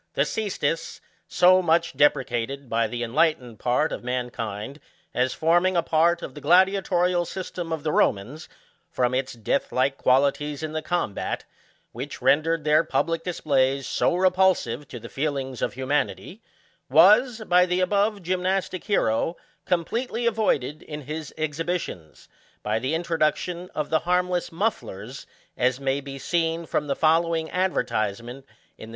The ccestus, so much depre cated by the enlightened part of mankind, as forming a part of the gladiatorial system of the Romans, from its death like qualities in the combat, which rendered their public displays so repulsive to the feelings of humanity, was, by the above gymnastic hero, com pletely avoided in his exhibitions, by the introduction of the harmless mufflers, as may be seen from the following advertisement in the.